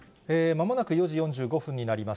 まもなく４時４５分になります。